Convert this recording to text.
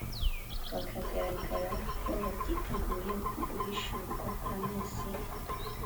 , bakagaragara ko batiteguye uguhishurwa kwa Mesiya